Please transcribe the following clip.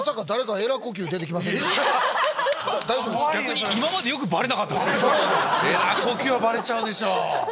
エラ呼吸はバレちゃうでしょ。